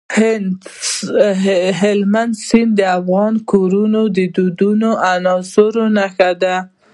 هلمند سیند د افغان کورنیو د دودونو مهم عنصر دی.